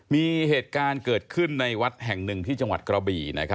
มีเหตุการณ์เกิดขึ้นในวัดแห่งหนึ่งที่จังหวัดกระบี่